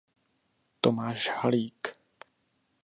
Tomáš Halík.